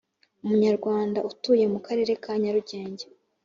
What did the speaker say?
umunyarwanda utuye mu karere ka Nyarugenge